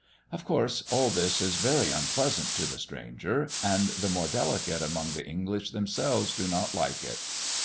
Of course all this is very unpleasant to the stranger, and the more delicate among the English themselves do not like it.